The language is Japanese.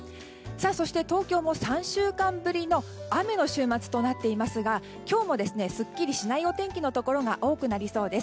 そして、東京も３週間ぶりの雨の週末となっていますが今日もすっきりしないお天気のところが多くなりそうです。